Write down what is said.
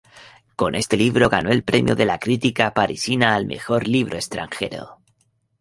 Con este libro ganó el premio de la crítica parisina al mejor libro extranjero.